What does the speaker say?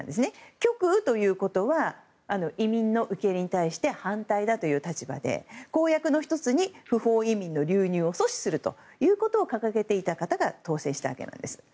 極右ということは移民の受け入れに対して反対だという立場で公約の１つに不法移民の流入を阻止するということを掲げていた方が当選したわけなんです。